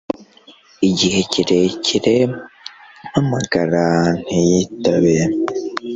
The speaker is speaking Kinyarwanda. igihe kirekire mpamagara ntiyitabe